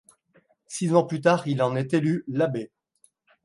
Six ans plus tard il en est élu l'abbé.